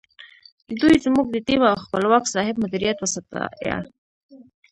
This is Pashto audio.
دوی زموږ د ټیم او خپلواک صاحب مدیریت وستایه.